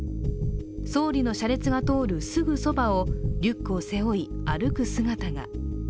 総理の車列が通るすぐそばをリュックを背負い、歩く姿が。